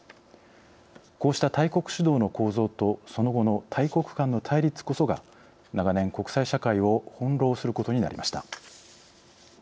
こうした大国主導の構造とその後の大国間の対立こそが長年国際社会を翻弄することになりました。